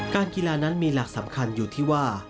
กีฬานั้นมีหลักสำคัญอยู่ที่ว่า